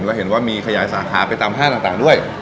แล้วเห็นว่ามีขยายสาขาไปตามห้างต่างด้วย